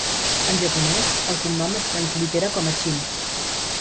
En japonès, el cognom es translitera com a Chin.